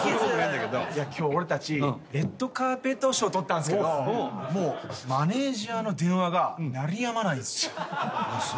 今日俺たちレッドカーペット賞取ったんですけどマネジャーの電話が鳴りやまないんすよ。